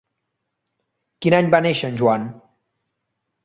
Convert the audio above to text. Quin any va néixer en Joan?